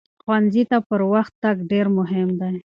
ښوونځي ته پر وخت تګ ډېر مهم دی.